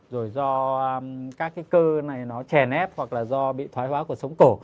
rồi do các cái cơ này nó trẻ nếp hoặc là do bị thoái hóa của sống cổ